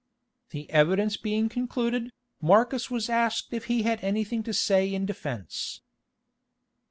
The evidence being concluded, Marcus was asked if he had anything to say in defence.